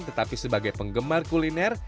tetapi sebagai penggemar kuliner